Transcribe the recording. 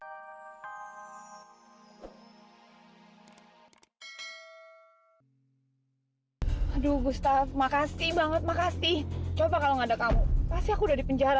hai aduh gustaf makasih banget makasih coba kalau nggak ada kamu pasti aku udah di penjara